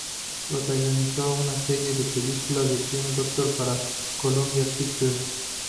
Protagonizó una serie de película del Crime Doctor para Columbia Pictures.